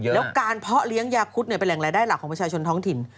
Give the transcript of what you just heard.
แล้วการเพาะเลี้ยงยาคุดเป็นแหล่งรายได้หลักของประชาชนท้องถิ่น